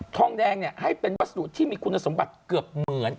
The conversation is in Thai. ทองแดงให้เป็นวัสดุที่มีคุณสมบัติเกือบเหมือน